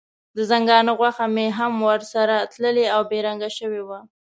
د ځنګانه غوښه مې هم سره تللې او بې رنګه شوې وه.